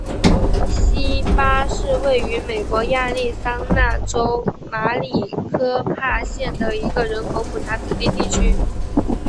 锡巴是位于美国亚利桑那州马里科帕县的一个人口普查指定地区。